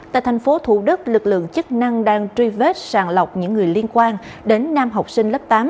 tại thành phố thủ đức lực lượng chức năng đang truy vết sàng lọc những người liên quan đến nam học sinh lớp tám